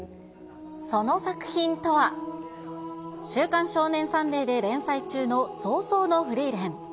その作品とは、週刊少年サンデーで連載中の葬送のフリーレン。